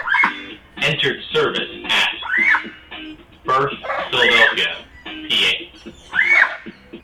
Entered servlce at:--- Birth: Philadelphia, Pa.